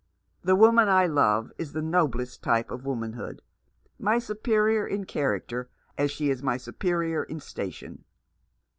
The woman I love is the noblest type of womanhood — my superior in character as she is my superior in station.